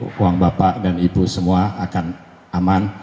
dan saya berharap bapak dan ibu semua akan aman